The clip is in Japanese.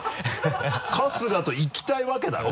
春日と行きたいわけだろ？